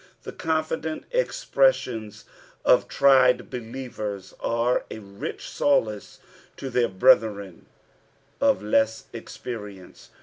The confident expressions of tried believers are a rich solace to their brethren of less experience.